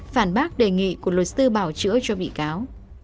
phản bác đề nghị của luật sư bảo chữa cho bị cáo